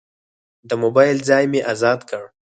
د موبایل ځای مې ازاد کړ.